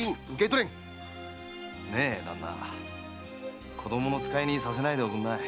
旦那子供の使いにさせないでおくんなさい。